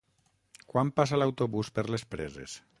Quan passa l'autobús per les Preses?